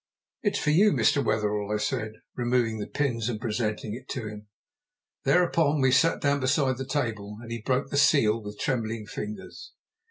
"It's for you, Mr. Wetherell," I said, removing the pins and presenting it to him. Thereupon we sat down beside the table, and he broke the seal with trembling fingers.